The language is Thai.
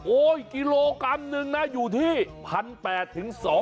กิโลกรัมนึงนะอยู่ที่๑๘๐๐๒๐๐บาท